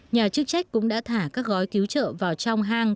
nhà chức trách cũng đã thả các gói cứu trợ vào trong hang